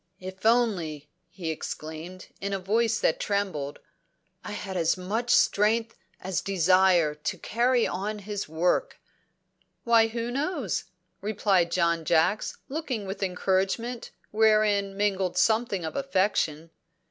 "If only," he exclaimed, in a voice that trembled, "I had as much strength as desire to carry on his work!" "Why, who knows?" replied John Jacks, looking with encouragement wherein mingled something of affection.